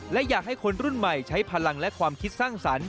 และอยากให้คนรุ่นใหม่ใช้พลังและความคิดสร้างสรรค์